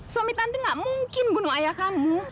suami tante gak mungkin bunuh ayah kamu